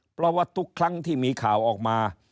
เพราะว่าทุกครั้งที่มีข่าวออกมา